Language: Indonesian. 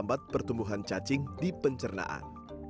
ini memperlambat pertumbuhan cacing di pencernaan